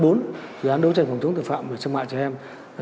dự án đấu tranh phòng chống tội phạm về sân mại trẻ em